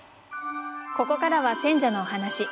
ここからは選者のお話。